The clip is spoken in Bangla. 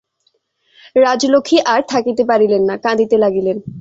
রাজলক্ষ্মী আর থাকিতে পারিলেন না, কাঁদিতে লাগিলেন।